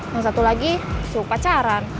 yang satu lagi suhu pacaran